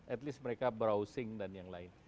at least mereka browsing dan yang lain